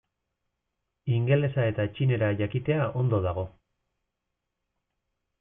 Ingelesa eta txinera jakitea ondo dago.